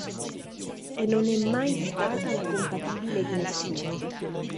E non è mai stata la compatibile di nessuno.